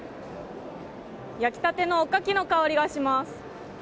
焼きたてのおかきの香りがします。